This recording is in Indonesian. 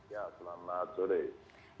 ya selamat sore